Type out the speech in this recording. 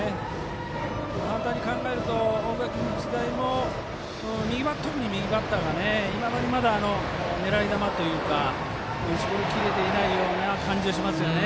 簡単に考えると大垣日大も特に右バッターがいまだに狙い球というか絞りきれてないような感じがしますね。